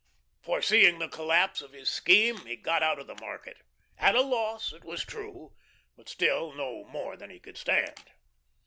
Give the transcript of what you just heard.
Foreseeing the collapse of his scheme, he got out of the market; at a loss, it was true, but still no more than he could stand.